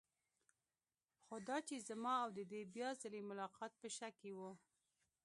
خو دا چې زما او د دې بیا ځلې ملاقات په شک کې و.